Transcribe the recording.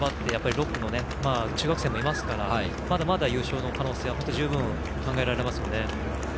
６区の中学生もいますからまだまだ優勝の可能性は十分考えられますね。